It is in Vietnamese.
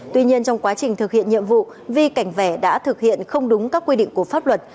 tuy nhiên trong quá trình thực hiện nhiệm vụ vi cảnh vẻ đã thực hiện không đúng các quy định của pháp luật